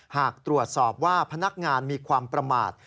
หากตรวจสอบว่าพนักงานมีความประมาท